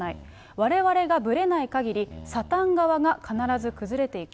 われわれがぶれないかぎり、サタン側が必ず崩れていく。